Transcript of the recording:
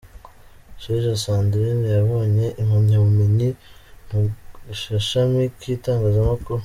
Isheja Sandrine: yabonye impamyabumenyi mu gashami k’Itangazamakuru.